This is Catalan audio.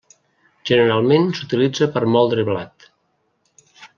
Generalment s'utilitza per moldre blat.